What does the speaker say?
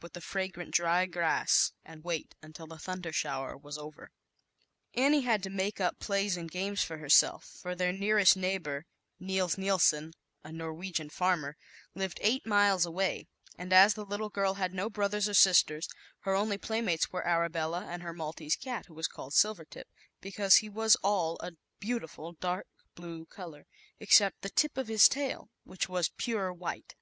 with the fragrant dry grass, and wait until the thunder shower was over. Annie had to make up plays and games for herself, for their nearest neigh bor, Nils Nilson, a Norwegian farmer, lived eight miles away, and as the little girl had no brothers or sisters, her only playmates were Arabella and her Maltese cat, who was called Silvertip, because he was all a beautiful dark blue color, ex cept the tip of his tail, which was pure white.